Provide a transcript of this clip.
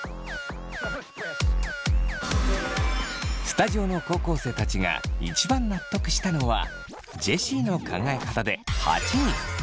スタジオの高校生たちが一番納得したのはジェシーの考え方で８人。